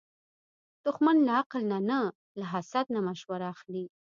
دښمن له عقل نه نه، له حسد نه مشوره اخلي